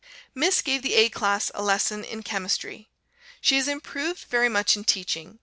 Miss gave the A class a lesson in Chemistry. She has improved very much in teaching.